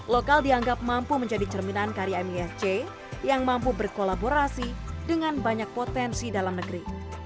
lokal dianggap mampu menjadi cerminan karya misc yang mampu berkolaborasi dengan banyak potensi dalam negeri